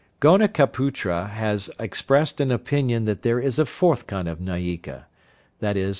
Gonikaputra has expressed an opinion that there is a fourth kind of Nayika, viz.